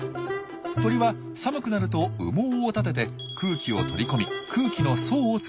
鳥は寒くなると羽毛を立てて空気を取り込み空気の層を作ります。